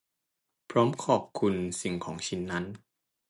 พร้อมขอบคุณสิ่งของชิ้นนั้น